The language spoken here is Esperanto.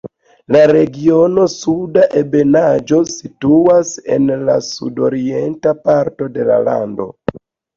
Regiono Suda Ebenaĵo situas en la sudorienta parto de la lando.